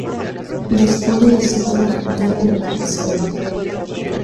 Dispone de zona de fondeo de embarcaciones.